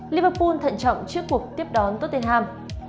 liverpool thận trọng trước cuộc tiếp đón tottenham